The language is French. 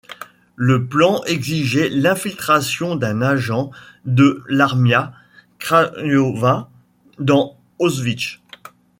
Le plan exigeait l'infiltration d'un agent de l'Armia Krajowa dans Auschwitz.